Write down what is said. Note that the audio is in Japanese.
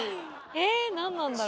え何なんだろ？